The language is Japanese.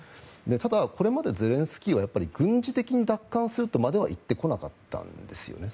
ただ、これまでゼレンスキーは軍事的に奪還するとまでは言ってこなかったんですよね。